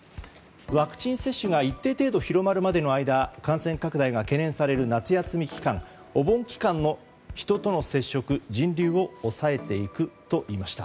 ワクチン接種が一定程度広まるまでの間感染拡大が懸念される夏休み期間、お盆期間の人との接触、人流を抑えていくと言いました。